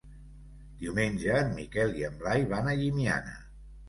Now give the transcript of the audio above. Diumenge en Miquel i en Blai van a Llimiana.